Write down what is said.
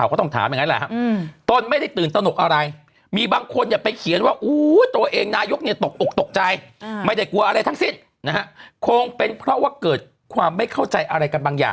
อืมมีคนบีบแตลแหลแบบนี้อ่ะบีบแตลแหลตกใจมั้ย